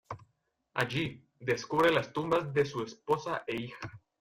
Allí, descubre las tumbas de su esposa e hija.